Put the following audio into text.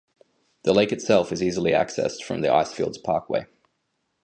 The lake itself is easily accessed from the Icefields Parkway.